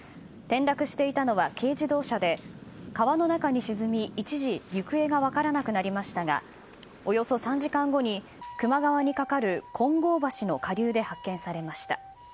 転落していたのは軽自動車で川の中に沈み、一時行方が分からなくなりましたがおよそ３時間後に球磨川にかかるコンゴウ橋の下流で発見されました。